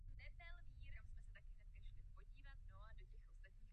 Miloval hru na housle.